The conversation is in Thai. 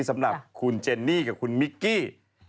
กับคุณเจนนี่กับคุณมิกกี้